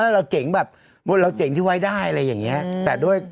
เราเจ๋งที่ไว้ได้อะไรอย่างเนี้ย